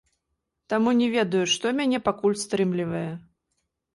Таму, не ведаю, што мяне пакуль стрымлівае.